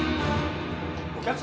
お客様